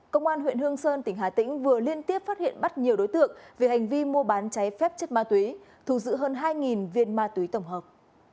công an huyện hương sơn tỉnh hà tĩnh vừa liên tiếp phát hiện bắt nhiều đối tượng về hành vi mua bán cháy phép chất ma túy thù giữ hơn hai viên ma túy tổng hợp